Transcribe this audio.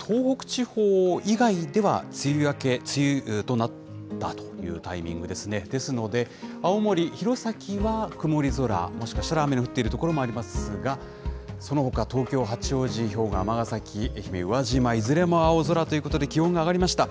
東北地方以外では梅雨明けとなったタイミングですので、青森・弘前は曇り空、もしかしたら雨の降っている所もありますが、そのほか、東京・八王子、兵庫・尼崎、愛媛・宇和島、いずれも青空ということで、気温が上がりました。